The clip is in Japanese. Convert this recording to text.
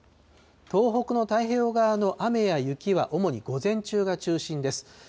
東北の太平洋側の雨や雪は主に午前中が中心です。